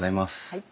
はい。